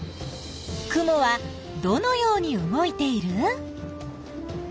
雲はどのように動いている？